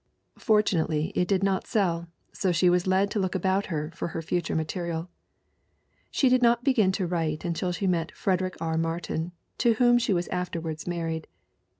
Fortunately it did not sell, so she was led to look about her for her future material. She did not begin to write until she met Frederick R. Martin, to whom she was afterward married.